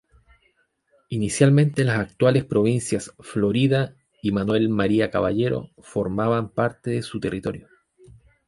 Inicialmente las actuales provincias Florida y Manuel María Caballero formaban parte de su territorio.